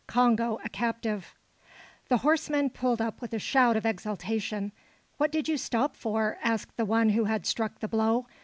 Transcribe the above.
CONGO A CAPTIVE. The horsemen pulled up with a shout of exultation. "What did you stop for?" asked the one who had struck the blow.